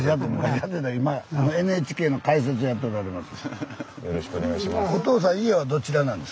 今ＮＨＫの解説やっておられます。